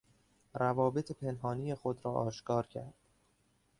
روابط پنهانی خود را آشکار کرد.